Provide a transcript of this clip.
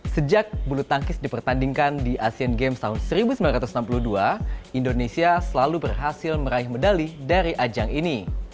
sejak bulu tangkis dipertandingkan di asean games tahun seribu sembilan ratus enam puluh dua indonesia selalu berhasil meraih medali dari ajang ini